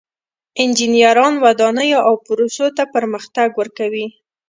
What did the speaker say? انجینران ودانیو او پروسو ته پرمختګ ورکوي.